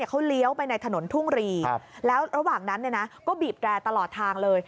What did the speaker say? เขาเลี้ยวไปในถนนทุ่งรีแล้วระหว่างนั้นก็บีบแรร์ตลอดทางเลย